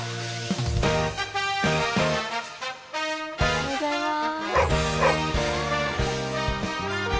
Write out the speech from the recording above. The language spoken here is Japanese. おはようございますわ！